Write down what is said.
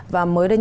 và mới đây nhất